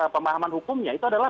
pemahaman hukumnya itu adalah